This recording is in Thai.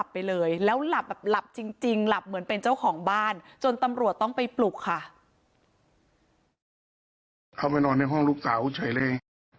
เข้าไปนอนในห้องลูกสาวเฉยเลย